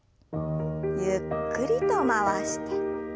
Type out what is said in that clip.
ゆっくりと回して。